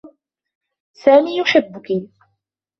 سامي يحبّكِ.